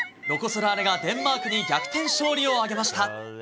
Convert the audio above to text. ロコ・ソラーレがデンマークに逆転勝利を挙げました。